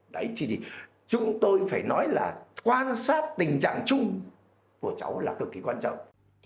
đấy thì chúng tôi phải nói là quan sát tình trạng chung của cháu là cực kỳ quan trọng